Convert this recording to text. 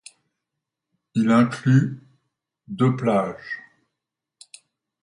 Il inclut de plage.